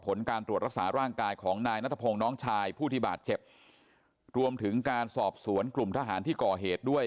ผลการตรวจรักษาร่างกายของนายนัทพงศ์น้องชายผู้ที่บาดเจ็บรวมถึงการสอบสวนกลุ่มทหารที่ก่อเหตุด้วย